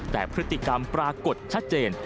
แต่พฤติกรรมปรากฏชัดเจน